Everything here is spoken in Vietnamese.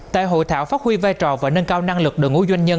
tại hội thảo phát huy vai trò và nâng cao năng lực đội ngũ doanh nhân